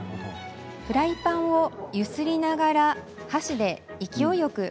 フライパンを揺すりながら箸で勢いよくかき混ぜます。